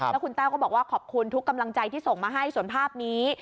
แล้วคุณแต้วก็บอกว่าขอบคุณทุกกำลังใจที่ส่งมาให้ส่วนภาพนี้